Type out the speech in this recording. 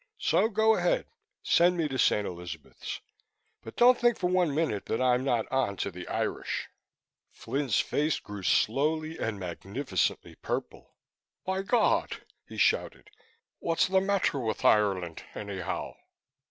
So, go ahead, send me to St. Elizabeth's but don't think for one minute that I'm not on to the Irish." Flynn's face grew slowly and magnificently purple. "By God!" he shouted. "What's the matter with Ireland, anyhow?"